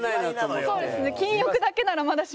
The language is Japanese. そうですね。